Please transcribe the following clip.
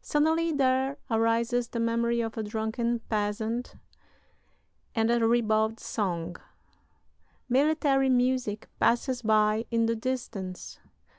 Suddenly there arises the memory of a drunken peasant and a ribald song.... Military music passes by in the distance.